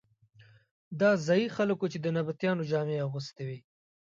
دا ځايي خلک وو چې د نبطیانو جامې یې اغوستې وې.